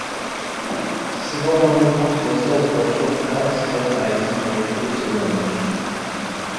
Several manufacturers offer "chopper" style bikes in their cruiser range.